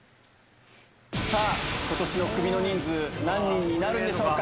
さあ、ことしのクビの人数、何人になるんでしょうか。